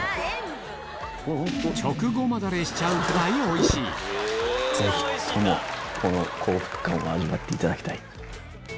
しちゃうくらいおいしいぜひともこの幸福感を味わっていただきたい。